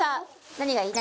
何がいい？